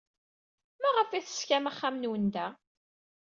Maɣef ay teṣkam axxam-nwen da?